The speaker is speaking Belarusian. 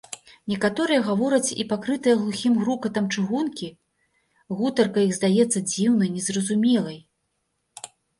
Некаторыя гавораць, і, пакрытая глухім грукатам чыгункі, гутарка іх здаецца дзіўнай, незразумелай.